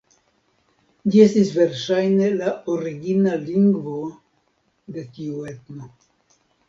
Ĝi estis verŝajne la origina lingvo de tiu etno.